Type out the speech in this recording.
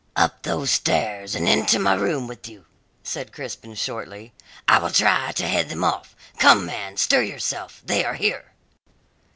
"Up those stairs and into my room with you!" said Crispin shortly. "I will try to head them off. Come, man, stir yourself; they are here."